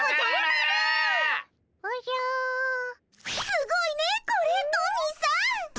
すごいねこれトミーさん。